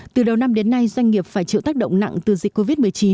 từ đầu năm đến nay doanh nghiệp phải chịu tác động nặng từ dịch covid một mươi chín